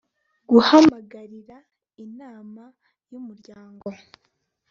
guhamagarira inama y'umuryango